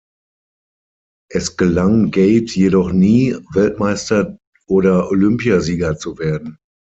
Es gelang Gade jedoch nie, Weltmeister oder Olympiasieger zu werden.